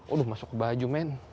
udah masuk ke baju men